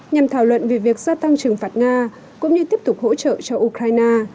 nhằm thảo luận về việc gia tăng trừng phạt nga cũng như tiếp tục hỗ trợ cho ukraine